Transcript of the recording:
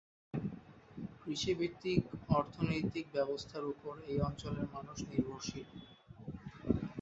কৃষিভিত্তিক অর্থনৈতিক ব্যবস্থার উপর এই অঞ্চলের মানুষ নির্ভরশীল।